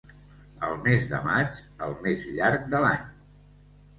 El mes de maig, el més llarg de l'any.